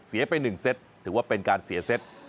ไป๑เซตถือว่าเป็นการเสียเซต